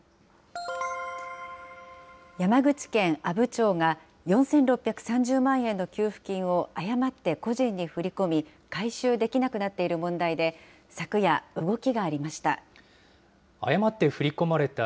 山口県阿武町が、４６３０万円の給付金を誤って個人に振り込み、回収できなくなっている問題で、昨夜、動きがありました。